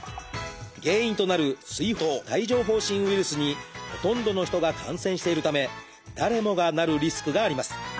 原因となる水痘・帯状疱疹ウイルスにほとんどの人が感染しているため誰もがなるリスクがあります。